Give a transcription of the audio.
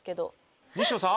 西野さん。